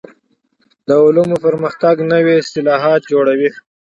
د علومو پرمختګ نوي اصطلاحات جوړوي.